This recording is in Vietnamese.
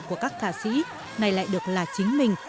của các ca sĩ này lại được là chính mình